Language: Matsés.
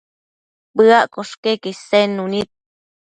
Bëaccosh queque isednu nid